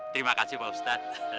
terima kasih pak ustadz